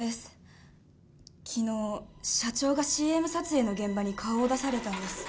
昨日社長がＣＭ撮影の現場に顔を出されたんです。